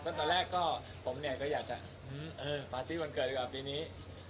งั้นผมผมก็อยากจะปาร์ตี้วันเกิดก่อนปีนี้